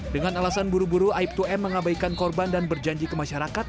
dengan alasan buru buru aib dua m mengabaikan korban dan berjanji ke masyarakat